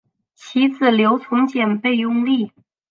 其子刘从谏被拥立。